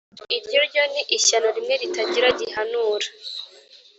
iryo ryo ni ishyano rimwe ritagira gihanura